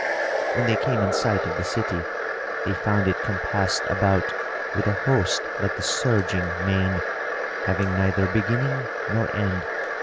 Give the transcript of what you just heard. When they came in sight of the city, they found it compassed about with a host like the surging main, having neither beginning nor end.